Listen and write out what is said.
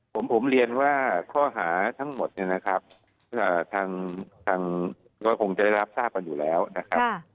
ผมเรียนว่าข้อหาทั้งหมดเนี่ยนะครับทางก็คงจะได้รับทราบกันอยู่แล้วนะครับ